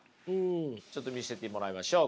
ちょっと見せてもらいましょう。